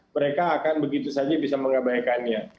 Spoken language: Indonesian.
mereka akan begitu saja bisa mengabaikannya